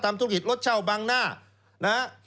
ทำธุรกิจรถเช่าบังหน้านะ